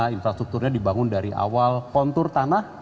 infrastrukturnya dibangun dari awal kontur tanah